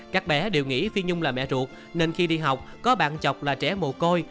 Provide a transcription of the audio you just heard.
các bé đều nghĩ phi nhung là mẹ ruột nên khi đi học có bạn chọc là trẻ mồ côi